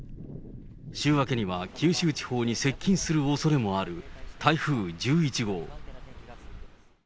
週明けには九州地方に接近するおそれもある台風１１号。